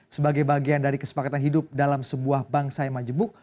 sebagai bagian dari kesepakatan hidup dalam sebuah bangsa yang majemuk